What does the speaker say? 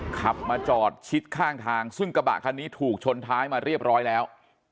ขับมาจอดชิดข้างทางซึ่งกระบะคันนี้ถูกชนท้ายมาเรียบร้อยแล้ว